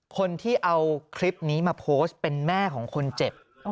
คนที่เอาคลิปนี้มาโพสต์เป็นแม่ของคนเจ็บ